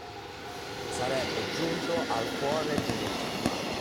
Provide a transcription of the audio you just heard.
Sarebbe giunto al cuore dell’enigma.